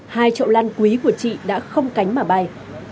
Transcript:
hai trậu lan quý của chị đã không cánh mà bay